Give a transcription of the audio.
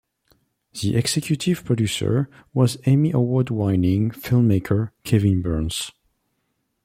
The Executive Producer was Emmy Award-winning filmmaker Kevin Burns.